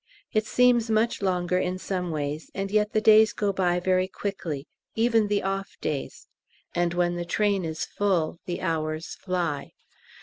It seems much longer in some ways, and yet the days go by very quickly even the off days; and when the train is full the hours fly.